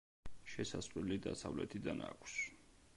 შესასვლელი დასავლეთიდან აქვს.